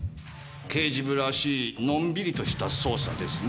刑事部らしいのんびりとした捜査ですねぇ。